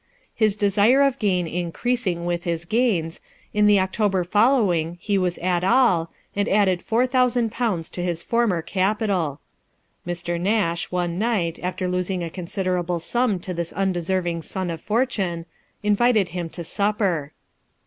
His desire of gain increasing with his gains, in the October following he was at all, and added four thousand pounds to his former capital. Mr. Nash, one night, after losing a considerable sum to this undeserving son of fortune, invited him to supper.